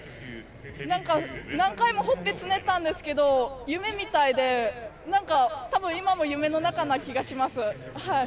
なんか、何回もほっぺつねったんですけど、夢みたいで、なんかたぶん今も夢の中な気がします。